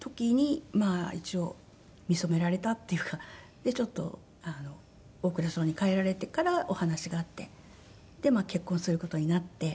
でちょっと大蔵省に帰られてからお話があってで結婚する事になって。